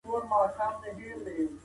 د اېرکنډیشن درجه یې په خونه کې لوړه کړه.